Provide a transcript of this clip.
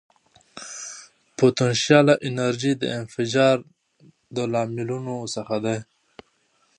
پوتنشیاله انرژي د انفجار د لاملونو څخه ده.